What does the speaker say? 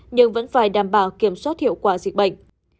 nhưng vẫn phải đảm bảo kiểm soát hiệu quả dịch bệnh